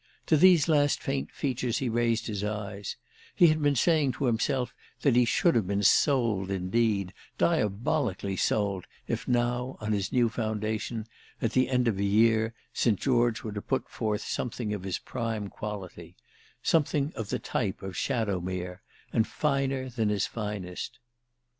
To these last faint features he raised his eyes; he had been saying to himself that he should have been "sold" indeed, diabolically sold, if now, on his new foundation, at the end of a year, St. George were to put forth something of his prime quality—something of the type of "Shadowmere" and finer than his finest.